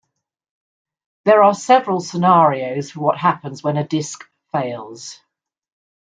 There are several scenarios for what happens when a disk fails.